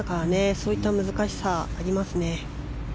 そういった難しさがありますね。